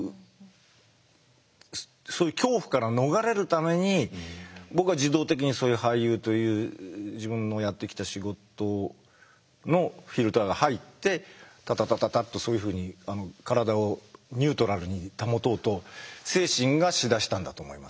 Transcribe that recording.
そういう恐怖から逃れるために僕は自動的にそういう俳優という自分のやってきた仕事のフィルターが入ってタタタタタっとそういうふうに体をニュートラルに保とうと精神がしだしたんだと思います。